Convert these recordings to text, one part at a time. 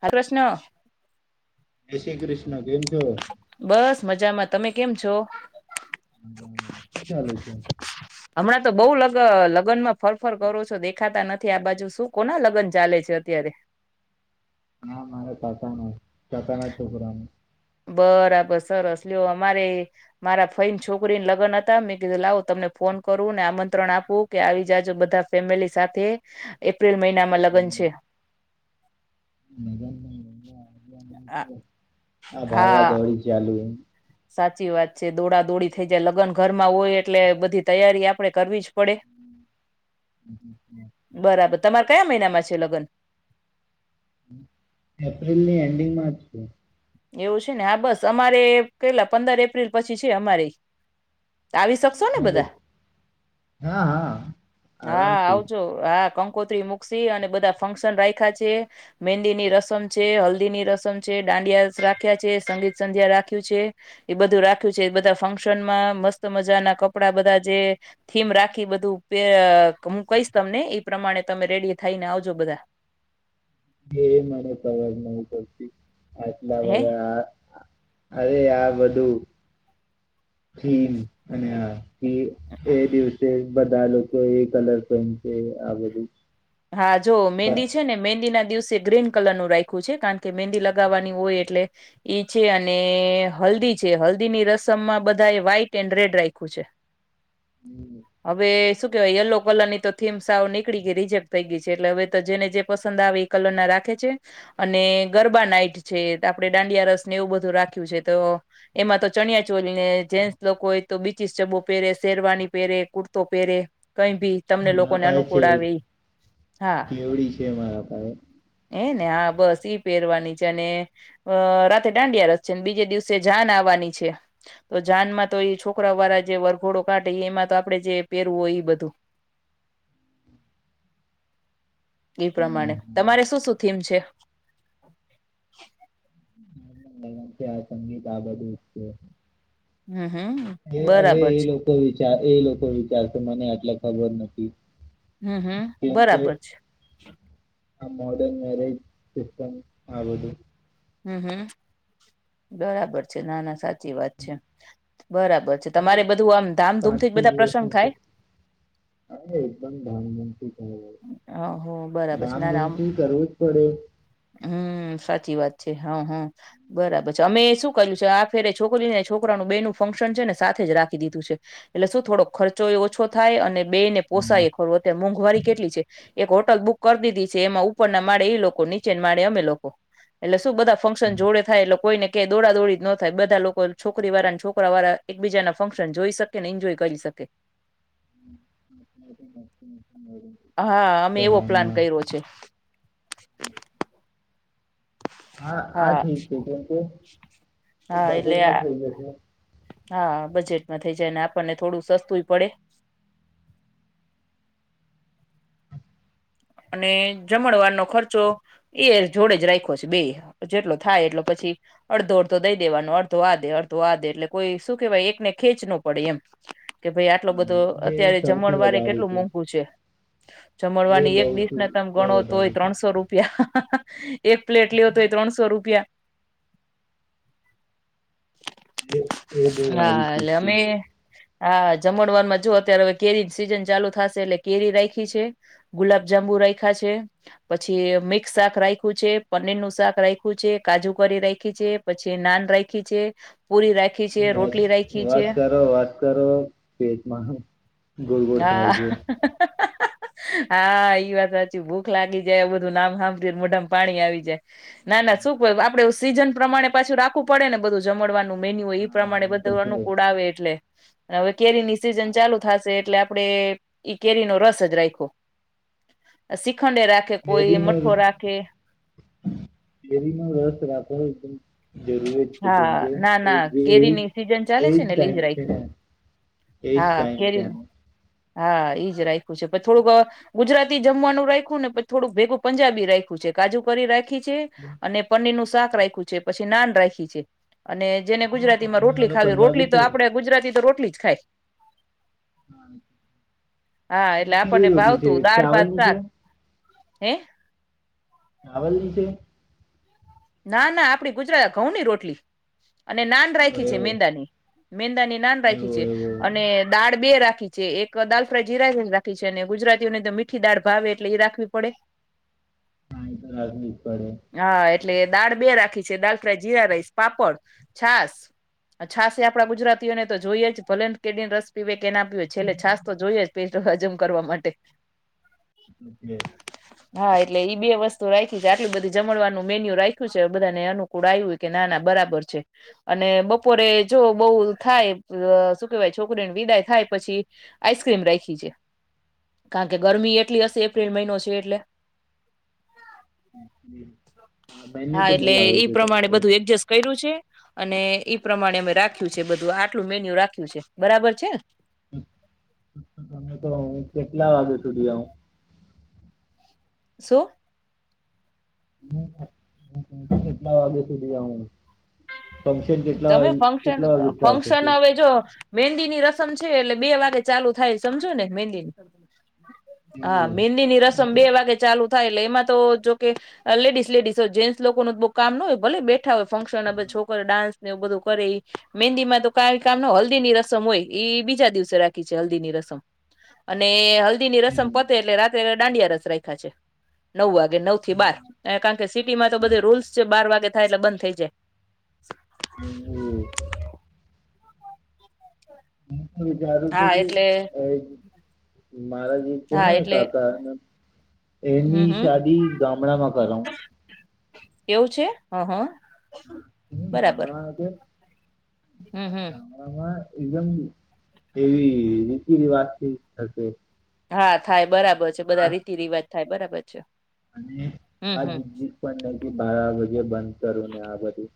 હા [unintelligible] ક્રષ્ન. જય શ્રી ક્રિષ તમે કેમ છો? બસ મજામાં તમે કેમ છો? મજામાં. શું ચાલે છે? હમણાં તો બહુ લગ લગનમાં ફરફર કરો છો. દેખાતા નથી આ બાજુ શું કોના લગન ચાલે છે, અત્યારે? હા, મારે કાકાના કાકાના છોકરાને બરાબર સરસ લ્યો. અમારેય મારા ફઈન છોકરીન લગન હતા. મેં કીધું લાવો તમને ફોન કરુંને આમંત્રણ આપું કે આવી જાજો બધા ફેમિલી સાથે એટ પ્રિલ મહિનામાં લગન છે. આ ભાગા હા દોડી ચાલુ. હ સાચી વાત છે દોડા દોડી થઈ જાય લગ્ન ઘરમાં હોય એટલે બધી તૈયારી આપડે કરવી જ પડે હ તમારા કયા મહિનામાં છે લગ્ન એપ્રિલ ની એન્ડિંગ માં જ છે એવું છે ને હા બસ અમારે પેલા પંદર એપ્રિલ પછી છે અમારે આવી શકશો ને બધા હા હા હા આરામથી આવજો હા કંકોતરી મુૂકસી અને બધા ફંક્શન રાખ્યા છે મહેંદી ની રસમ છે હલ્દી ની રસમ છે દાંડિયા રાખ્યા છે સંગીત સંધ્યા રાખ્યું છે એ બધું રાખ્યું છે બધા ફંક્શન માં મસ્ત મજા ના કપડા બધા જે થીમ રાખી બધું હું કહીશ તમને એ પ્રમાણે તમે રેડી થાયને આવજો બધા એ મને ખબર નહી પડતી હે આ અરે આ બધું થીમ અને આ એ દિવસે બધા લોકો એ કલર પેન છે આ બધું હા જો મેંદી છે ને મેંદી ના દિવસે ગ્રીન કલર નું રાખું છે કારણ કે મહેંદી લગાવવાની હોય એટલે એ છે અને હલ્દી છે હલ્દી ની રસમમાં બધા એ વ્હાઈટ એન્ડ રેડ રાખું છે પણ હવે શું કેવાય યલો કલર ની તો થીમ સાવ નીકળી ગયેહી જેમ થઈ ગઈ છે એટલે હવે તો જેને જે પસંદ આવે એ કલર ના રાખે છે અને ગરબા નાઈટ છે આપણે દાંડિયા રસ ને એવું બધું રાખ્યું છે તો એમાં તો ચણિયા ચોલીને જેન્ટ્સ લોકો તો બીચીસ ચબ્બો પહેરે શેરવાની પહેરે કુર્તો પહેરે કઈ ભી તમને મારા લોકોને પાસે છે અનુકૂળ આવે કેવડી છે મારા પાસેે એ ને હા બસ ઈ પહેરવાની છે અને રાતે દાંડિયા રસ છે બીજે દિવસે જાન આવવાની છે તો જાન માં તો એ છોકરા વાળા જે વરઘોડો કાઢે એમાં તો આપડે જે પહેરવું હોય બધું એ પ્રમાણે તમારે શું શું થીમ છે છે આ સંગીત આ બધું જ છે હમ હમ એ હવે બરાબર એ છે લોકો એ લોકો વિચારશે મને આટલે ખબર નથી હમ હમ કેમ કે બરાબર છે આ મોડન મેરેજ સિસ્ટમ આ બધું હમ હમ બરાબર છે નાના સા સાચી વાત છે બરાબર છે એ તમારે બધું આમ ધામધૂમ પાંચ થી છ બધા પ્રસંગ દિવસનું છે થાય હવે એકદમ ધામધૂમથી કરવું હહ બરાબર છે નાનામ ધામધૂમથી કરવું જ પડે હમ સાચી વાત હા હા બરાબર છે અમે શું કર્યું છે આ ફેરે છોકરીને છોકરાનું બે નું ફંક્શન છે ને સાથે જ રાખી દીધું છે એટલે શું થોડોક ખર્ચો એ ઓછો થાય અને બે ને પોસાય ખરું અત્યારે મોંઘવારી એક હોટલ બુક કરી દીધી છે એમાં ઉપર ના માળે એ લોકો નીચે માળે અમે લોકો એટલે શું બધા ફંક્શન જોડે થાય એટલે કોઈને કે દોડાદોડી જ ન થાય બધા લોકો છોકરીવાળા અને છોકરાવાળા એકબીજાના ફંક્શન જોઈ શકેને એન્જોય કરી શકે હા અમે એવો પ્લાન કરવામાં કર્યો છે. હા આ ઠીક છે કેમકે હા એટલે બજેટમાં આ થઈ જશે. હા બજેટમાં થઇ જાય આપણને થોડું સસ્તુંય પડે. અને જમણવારનો ખર્ચો એ જોડે જ રાખ્યો છે બે જેટલો થાય એટલો પછી અડધો અડધો દઈ દેવાનો અડધો આ દે અડધો આ દે એટલે કોઈ શું કેહેવાય એકને ખેંચ ન પડે એમ કે ભાઈ આટલો હા બધો એ અત્યારે સૌથી જમણવારે વધારે કેટલું મોંઘું છે એ જમણવારની એક બહુ છે એના તમ બહુ ગણો તોય વધારે છે ત્રણસો રૂપિયા હા-હા. એક પ્લેટ લેવ તોય ત્રણસો રૂપિયા એ એ બઉ હા વારી ચી એટલે અમે ચી હા જમડવાર માં જો અત્યારે હવે કેરી સીઝન ચાલુ થશે એટલે કેરી રાઈખી છે. ગુલાબ જાંબુ રઇખા છે પછી મિક્સ શાક રાઇખ્યું છે પનીર નું શાક રાઇખ્યું છે કાજુ કરી રાઇખી છે પછી નાન રાઇખી છે. પુરી રાખી છે, બસ રોટલી રાયખી છે. વાત કરો વાત કરો પેટમાં ગોળ ગોળ થાય હા. છે. હા. ઈ વાત સાચી ભૂખ લાગી જાય બધું નામ હાંભળી મોઢામ પાણી આવી જાય ના ના શું આપડે સીઝન પ્રમાણે પાછું રાખવું પડે ને બધું જમડવાનું મેન્યુ ઈ હા પ્રમાણે એ તો બધું છે અનુકૂડ આવે એટલે હવે કેરી ની સીઝન ચાલુ થાશે એટલે આપડે ઈ કેરીનો રસ જ રાઇખો. અ શી કેરીનો ર કેરીનો રસ. [unintelligible] જરૂર જ છે હા કેમકે ના એ ના કેરીની સિઝન ચાલે એજ છે ને એટલે ઈજ ટાઈમ રાયખી. ને એજ હા ટાઈમ કેરી ત્યાનો હા ઈજ રાખ્યું છે પછ થોડુંક અ ગુજરાતી જમવાનું રાઇખ્યું ને થોડું ભેગું પંજાબી રાઇખ્યું છે કાજુ કરી રાઇ ખી છે કેમ અને પનીર નું શ શાક રાખ્યું છે પછી ને નાન રાઇખી છે. અને જેને કેમ ગુજરાતી માં સામને રોટલી વાળો ખાવી પંજાબી રોટલી તો છે આપડે ગુજરાતી તો રોટલી જ ખાય. હા એટલે કેવી આપણને રોટલી છે ભાવતું દાળ ભાત ચાવલની છે? શાક હે? ચાવલ ની છે ના ના આપડી ગુજરા ઘઉં ની રોટલી. અને નાન હા, રાઇખી છે એવો મેંદાની મેંદાની નાન એવો રાઇખી છે એવો અને દાળ બે રા ખી છે એક દાલ ફ્રાય જીરા રાખી છે અને ગુજરાતીઓને તો મીઠી દાળ ભાવે એટલે એ રાખવી પડે. હા ઇ તો રાખવી જ પડે. હા એ એટલે દાળ બે રાખી છે દાળ ફ્રાય જીરા રાઈસ પાપડ, છાસ, છાસ એ આપડા ગુજરાતીઓને તો જોઈએ જ ભલે કેડી રસ પીવે. કે ના પીએ છેલ્લે છાસ તો જોઈએ જ પેટ હજમ કરવા માટે. ે [unintelligible] હા એટલે ઈ બે વસ્તુ રાખી છે આટલી બધી જમણવાનું મેન્યુ રાખ્યું છે બધાને અનુકૂળ આવ્યું કે નાના બરાબર છે, અને બપોરે જો બહુ થાય શું કેહેવાય છોકરીને વિદાય થાય પછી, આઈસ્ક્રીમ રાખી છે, કારણ કે ગરમી એટલી [unintelligible] હ એપ્રિલ મહિનો છે એટલે. હમ્મ. હા એટલે ઈ છે પ્રમાણે તમારે બધું એડજસ્ટ કર્યું છે? અને ઈ પ્રમાણે અમે રાખ્યું છે બધું આટલું મેન્યુ રાખ્યું છે બરાબર છે? તમે તો કેટલા વાગે સુધી હ શું? કેટલા વાગ્યા સુધી આવુ. તમે ફંક્શન સ્ટાર્ટ થશે ફંક્શન હવે જો. મહેંદી ની રસમ છે એટલે બે વાગે ચાલુ થાય સમજો ને મહેંદી ની. હા એવું મંદી ની હા, રસમ બે વાગે ચાલુ થાય એટલે એમાં તો જોકે, લેડીસ લેડીસ જેન્ટસ લોકોનું બુ કામ હોય ભલે બેઠા હોય ફંક્શન છોકરો ડાન્સ એવ બધું કરે એ, મહેંદીમાં તો ક કામ હલ્દી ની રસમ હોય બીજા દિવસે રાખી છે હલ્દી ની રસમ, અને હ મહેંદી ની રસમ એવું પતે એટલે રાત્રે દાંડિયા રસ રાયખા છે, નવ વાગે. નવ થી બાર કારણ કે સિટી માં તો બધ રૂલ્સ છે બાર વાગે થાય એટલે બંધ થઇ જાય. હમ્મ. હમ્મ. હું વિચારું છું હા કે, એટલે મારા જે છે હા ને એટલે કાકા, હમ એની હમ શાદી ગામડામાં કરાવું. એવું છે. હ, હા, હા હા આ હમ હમ ગામડામાં એકદમ એવી રીતિ રિવાજથી થશે. હા, થાય બરાબર. પછી બધા આ રેતી રિવાજ થાય બરાબર છે. અને હમ આ જ હમ પણ ન બાર વાગે બંધ. કરુંને આ બધું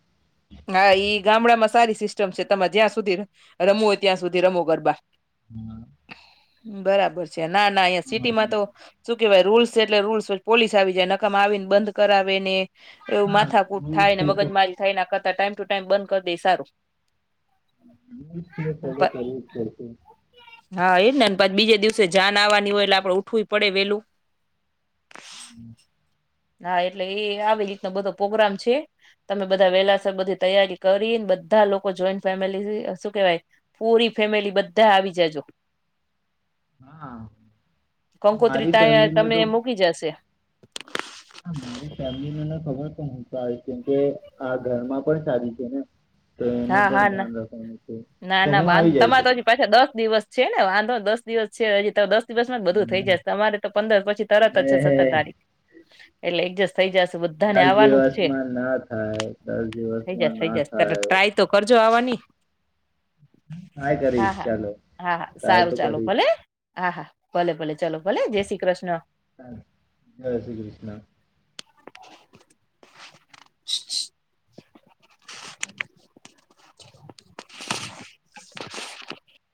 હા, ઈ ગામડામાં સારી સિસ્ટમ છે. તમારે જ્યાં સુધી રમવું હોય ત્યાં સુધી રમો ગરબા હમ્મ, ! બરાબર. ! ના ના અયાં સિટી માં તો કેવાય રૂલ્સ છે. એટલે રૂલ્સ પોલીસ આવી જાય નકામા આવીને બંધ કરાવે ને એવું હા માથાકૂટ થાયને, છે તો મગજમારી થાયને એના કરતાઃ ટાઈમ ટુ ટાઈમ બંધ કરી દે ઈ સારું. [inaudible] હા એ જ ને, ને પછી બીજે દિવસે જાન આવવાની હોય, એટલે આપડે ઉઠવુંય પડે વેલું. [inaudible] હા! એટલે એ આવી રીતનો બધો પ્રગ્રામ છે. તમે બધા વેલાસર બધી તૈયારી કરી, બધા લોકો જોઈન્ટ ફેમિલી શું કેવાય? પૂરી ફેમિલી બધા આવી જાજો. હા [unintelligible] કંકોત્રી મારી તાય ને તમે તો મૂકી જશે. હા મારી ફેમિલી ને ન ખબર સારી છે. કેમ કે આ ઘરમાં પણ સારી છે ને તો એનું હા પણ હા ના ધ્યાન રાખવાનું છે [inaudible] ના તો ના હું બાંધ આવી જઈશ તમારે તો હજી પાછા દસ દિવસ છે ને, વાંધો દસ દિવસ છે હજી તો દસ બસમાં જ બધું થઈ જશે. તમારે તો પંદર પછી તરત જ છે, સત્તર તારીખ એટલે એડજૈસ દસ દિવસમાં ના થાય. દસ થઈ જશે દિવસમાં થઈ ના જશે તરત થાય. ટ્રાય તો કરજો આવવાની. હા કરીશ હા ચાલો હા હા સારું તો ચાલો કરીશ ભલે. હા હા! ભલે ભલે! ચલો ભલે જય શ્રી કૃષ્ણ. જય શ્રી કૃષ્ણ. [inaudible]